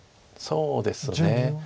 そうですね。